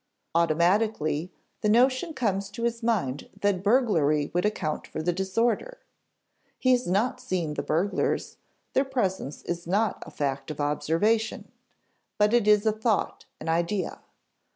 Automatically, the notion comes to his mind that burglary would account for the disorder. He has not seen the burglars; their presence is not a fact of observation, but is a thought, an idea.